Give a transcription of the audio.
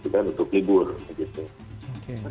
itu kan untuk hibur